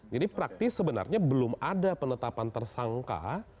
praktis sebenarnya belum ada penetapan tersangka